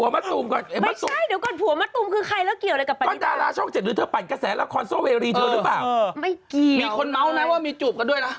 มีคนเมาส์นะว่ามีจูบกันด้วยนะ